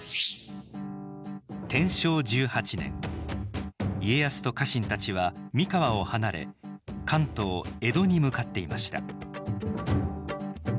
天正１８年家康と家臣たちは三河を離れ関東江戸に向かっていました